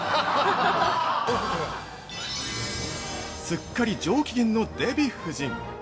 ◆すっかり上機嫌のデヴィ夫人。